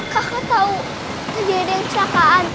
kakak tahu tadi aja ada yang kecelakaan